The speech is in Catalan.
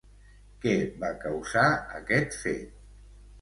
Què va causar aquest fet?